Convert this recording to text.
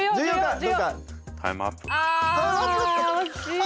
あ惜しい。